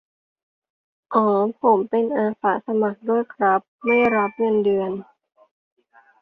อ้อ ผมเป็นอาสาสมัครด้วยครับ ไม่รับเงินเดือน